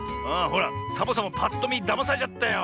ほらサボさんもぱっとみだまされちゃったよ。